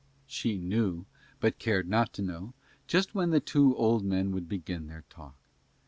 She knew, but cared not to know, just when the two old men would begin their talk.